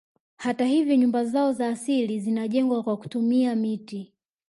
Hata hivyo nyumba zao za asili zinajengwa kwa kutumia miti